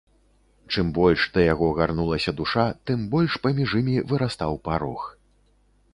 Чым больш да яго гарнулася душа, тым больш паміж імі вырастаў парог.